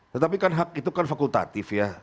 tetapi kan hak itu kan fakultatif ya